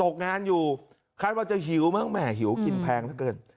ออกงานอยู่คาดว่าจะหิวมากแหม่หิวกินแพงละเกิน